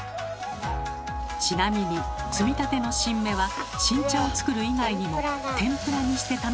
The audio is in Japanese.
ちなみに摘みたての新芽は新茶を作る以外にも天ぷらにして楽しむことができます。